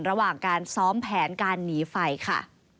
ระหว่างการซ้อมแผนการหนีไฟค่ะ